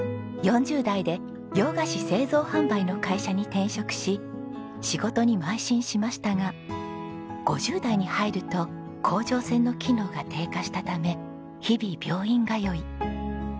４０代で洋菓子製造販売の会社に転職し仕事に邁進しましたが５０代に入ると甲状腺の機能が低下したため日々病院通い。